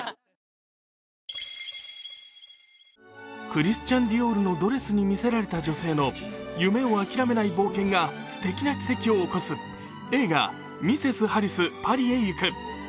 クリスチャン・ディオールのドレスに魅せられた女性の夢を諦めない冒険がすてきな奇跡を起こす映画「ミセス・ハリス、パリへ行く」。